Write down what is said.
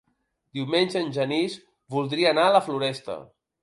Diumenge en Genís voldria anar a la Floresta.